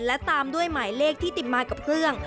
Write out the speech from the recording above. และตามด้วยหมายเลขที่ติดมากับเครื่อง